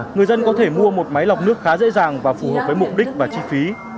người dân có thể mua một máy lọc nước khá dễ dàng và phù hợp với mục đích và chi phí